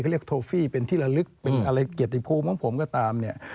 เรียกโทฟี่เป็นที่ละลึกเป็นอะไรเกียรติภูมิของผมก็ตามเนี่ย